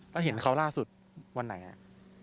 แล้วเห็นเขาล่าสุดวันไหนอ่ะ